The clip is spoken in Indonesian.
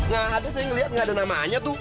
gak ada saya ngeliat gak ada namanya tuh